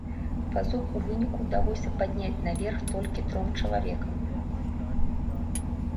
Вазок у выніку ўдалося падняць наверх толькі тром чалавекам.